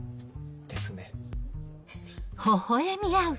ですね。